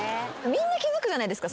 みんな気付くじゃないですか。